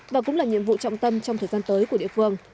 và cũng là nhiệm vụ trọng tâm trong thời gian tới của địa phương